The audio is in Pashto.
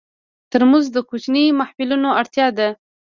ترموز د کوچنیو محفلونو اړتیا ده.